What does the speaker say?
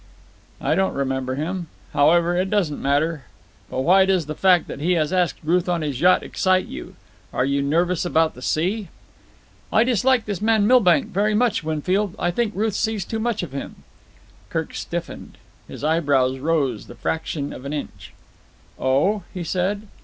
"I don't remember him. However, it doesn't matter. But why does the fact that he has asked Ruth on his yacht excite you? Are you nervous about the sea?" "I dislike this man Milbank very much, Winfield. I think Ruth sees too much of him." Kirk stiffened. His eyebrows rose the fraction of an inch. "Oh?" he said.